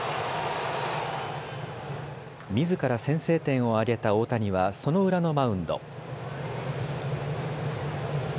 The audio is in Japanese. みずから先制点を挙げた大谷はその裏のマウンド。